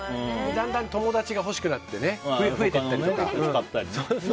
だんだん友達がほしくなって増えていったりね。